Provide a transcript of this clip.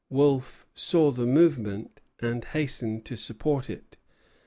Wolfe saw the movement, and hastened to support it.